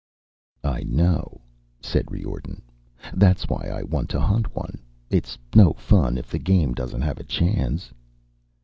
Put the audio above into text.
"I know," said Riordan. "That's why I want to hunt one. It's no fun if the game doesn't have a chance."